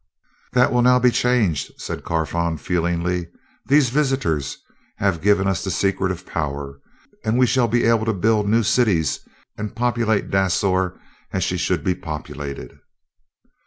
"That will now be changed," said Carfon feelingly. "These visitors have given us the secret of power, and we shall be able to build new cities and populate Dasor as she should he populated."